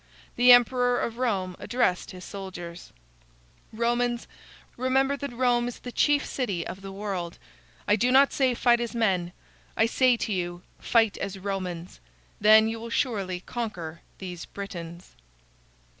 The emperor of Rome addressed his soldiers: "Romans, remember that Rome is the chief city of the world. I do not say fight as men; I say to you, fight as Romans. Then you will surely conquer these Britains."